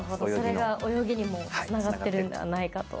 それが泳ぎにもつながってるんではないかと。